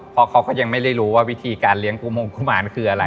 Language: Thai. เพราะเขาก็ยังไม่ได้รู้ว่าวิธีการเลี้ยงกุมงกุมารคืออะไร